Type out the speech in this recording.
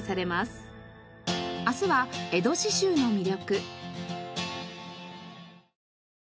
明日は江戸刺繍の魅力。